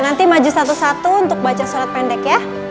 nanti maju satu satu untuk baca surat pendek ya